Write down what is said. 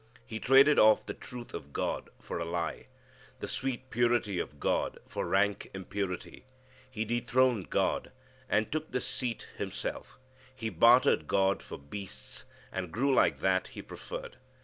He traded off the truth of God for a lie; the sweet purity of God for rank impurity. He dethroned God, and took the seat himself. He bartered God for beasts and grew like that he preferred.